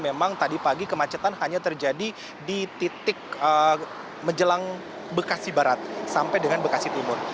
memang tadi pagi kemacetan hanya terjadi di titik menjelang bekasi barat sampai dengan bekasi timur